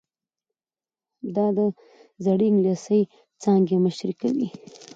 دا د زړې انګلیسي څانګې مشري کوي.